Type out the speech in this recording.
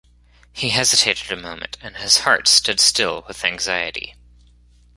He hesitated a moment, and his heart stood still with anxiety.